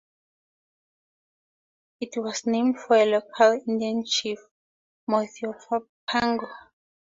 It was named for a local Indian chief, Machiopungo.